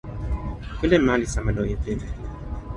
kule ma li sama loje pimeja.